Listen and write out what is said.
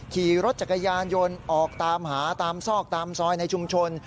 ขี่รถจักรยานยนต์ออกตามหาตามซอกตามซอยในชุมชน